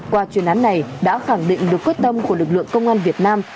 qua chuyên án này đã khẳng định được quyết tâm của lực lượng công an việt nam